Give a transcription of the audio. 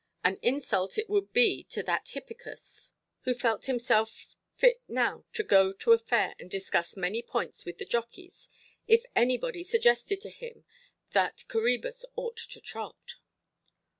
—an insult it would be to that Hippicus who felt himself fit now to go to a fair and discuss many points with the jockeys, if anybody suggested to him that Coræbus ought to trot.